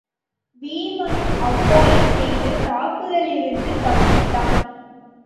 வீமனும் அவ்வாறே செய்து தாக்குதலிலிருந்து தப்பினான்.